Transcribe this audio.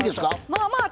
まあまあ？